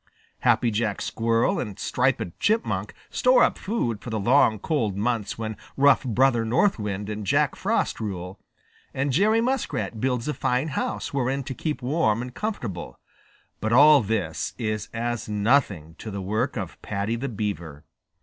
Happy Jack Squirrel and Striped Chipmunk store up food for the long cold months when rough Brother North Wind and Jack Frost rule, and Jerry Muskrat builds a fine house wherein to keep warm and comfortable, but all this is as nothing to the work of Paddy the Beaver.